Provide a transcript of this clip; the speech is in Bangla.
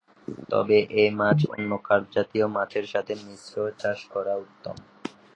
তবে এ মাছ অন্য কার্প জাতীয় মাছের সাথে মিশ্র চাষ করা উত্তম।